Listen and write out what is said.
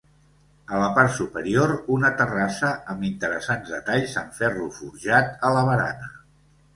A la part superior, una terrassa amb interessants detalls en ferro forjat a la barana.